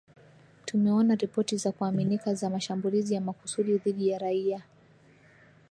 Tumeona ripoti za kuaminika za mashambulizi ya makusudi dhidi ya raia